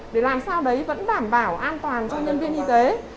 để làm sao đấy vẫn đảm bảo an toàn cho nhân viên y tế